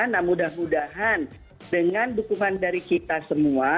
nah mudah mudahan dengan dukungan dari kita semua